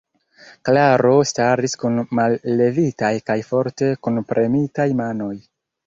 Klaro staris kun mallevitaj kaj forte kunpremitaj manoj.